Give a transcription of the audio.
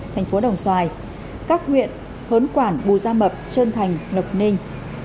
thành phố đồng xoài các huyện hớn quảng bù gia mập trân thành lộc ninh